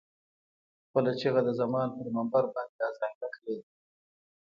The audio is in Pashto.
خپله چيغه د زمان پر منبر باندې اذانګه کړې ده.